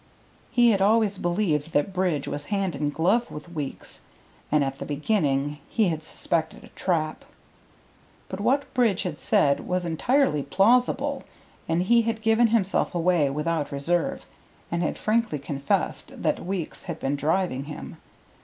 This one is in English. He had always believed that Bridge was hand and glove with Weeks, and at the beginning he had suspected a trap. But what Bridge had said was entirely plausible; he had given himself away without reserve, and had frankly confessed that Weeks had been driving him.